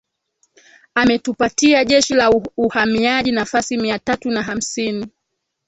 Ametupatia Jeshi la Uhamiaji nafasi mia tatu na hamsini